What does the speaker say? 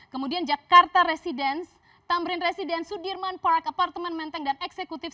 kemudian jakarta residence tamrin resident sudirman park apartemen menteng dan eksekutif